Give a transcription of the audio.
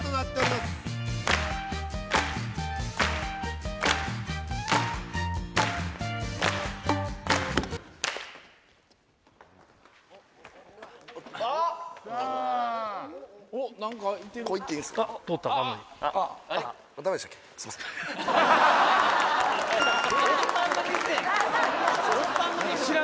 すいません。